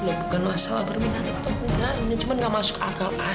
loh bukan masalah berminat atau enggak ini cuma nggak masuk akal aja